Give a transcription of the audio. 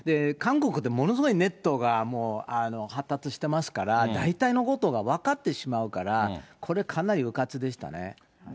韓国ってものすごいネットが発達してますから、大体なことが分かってしまうから、これ、かなりうかつでしたね。